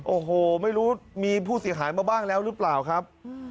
โอ้โหไม่รู้มีผู้เสียหายมาบ้างแล้วหรือเปล่าครับ